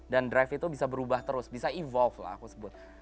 dan drive itu bisa berubah terus bisa evolve lah aku sebut